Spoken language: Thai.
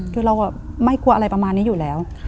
คือเราไม่กลัวอะไรประมาณนี้อยู่แล้ว